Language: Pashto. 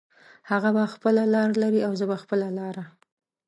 هغه به خپله لار لري او زه به خپله لاره